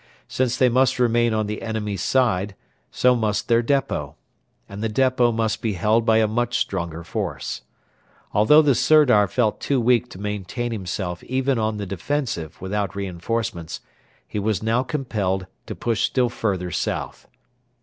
Since they must remain on the enemy's side, so must their depot; and the depot must be held by a much stronger force. Although the Sirdar felt too weak to maintain himself even on the defensive without reinforcements, he was now compelled to push still further south.